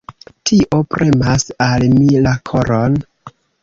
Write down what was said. Tio premas al mi la koron.